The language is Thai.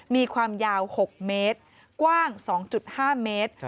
มีความยาว๖เมตรกว้าง๒๕เมตร